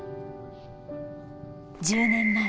１０年前